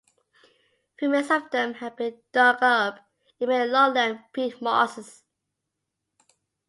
Remains of them have been dug up in many lowland peat-mosses.